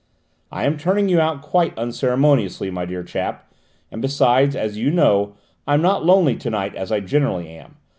"I am turning you out quite unceremoniously, my dear chap, and besides, as you know, I'm not lonely to night as I generally am.